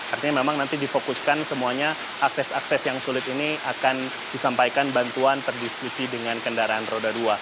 artinya memang nanti difokuskan semuanya akses akses yang sulit ini akan disampaikan bantuan terdiskusi dengan kendaraan roda dua